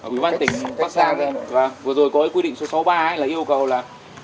ủy ban tỉnh bắc giang vừa rồi có quy định số sáu mươi ba yêu cầu là